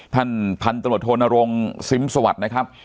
ท่านพันธุ์ตำรวจโทนรงค์ซิมสวัสดิ์นะครับ